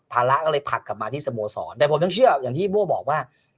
ภาระก็เลยผลักกลับมาที่สโมสรแต่ผมยังเชื่ออย่างที่โบ้บอกว่า